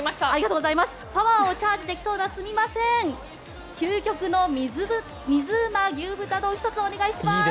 パワーをチャージできそうな究極の水うま牛豚丼を１つお願いします！